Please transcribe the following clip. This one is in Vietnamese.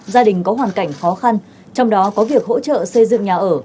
gia đình có hoàn cảnh khó khăn trong đó có việc hỗ trợ xây dựng nhà ở